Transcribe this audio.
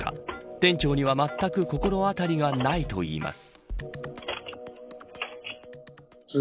店長にはまったく心当たりがないといいます。